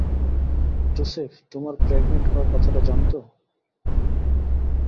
Joseph তোমার pregnant হওয়ার কথাটা জানতো?